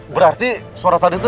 berarti suara tadi tuh